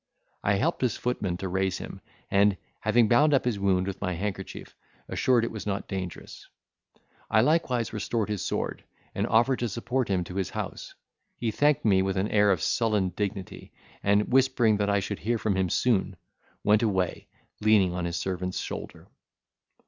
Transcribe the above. I helped his footman to raise him, and, having bound up his wound with my handkerchief, assured it was not dangerous; I likewise restored his sword, and offered to support him to his house. He thanked me with an air of sullen dignity: and whispering that I should hear from him soon, went away, leaning on his servant's shoulder.